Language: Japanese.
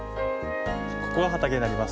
ここがはたけになります。